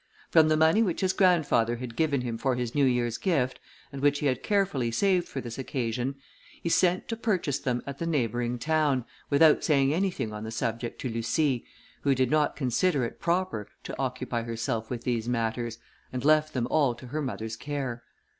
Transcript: From the money which his grandfather had given him for his new year's gift, and which he had carefully saved for this occasion, he sent to purchase them at the neighbouring town, without saying anything on the subject to Lucie, who did not consider it proper to occupy herself with these matters, and left them all to her mother's care.